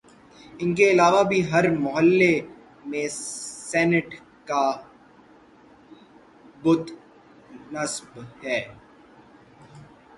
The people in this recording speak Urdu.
ان کے علاوہ بھی ہر محلے میں سینٹ کا بت نصب ہے